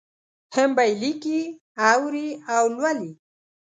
هم به یې لیکي، اوري او لولي.